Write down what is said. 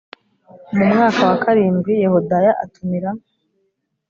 mu mwaka wa karindwi yehoyada atumira